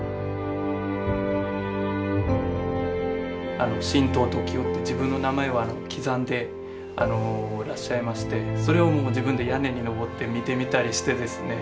あの「シントウトキヲ」って自分の名前を刻んでらっしゃいましてそれをもう自分で屋根に登って見てみたりしてですね。